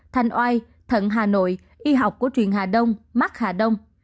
thanh oai thận hà nội y học cổ truyền hà đông mắc hà đông